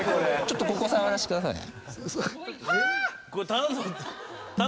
ここ触らせてくださいね。